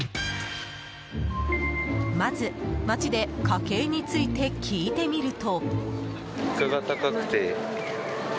まず、街で家計について聞いてみると。